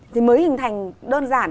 thì mới hình thành đơn giản